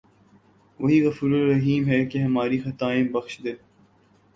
وہی غفورالرحیم ہے کہ ہماری خطائیں بخش دے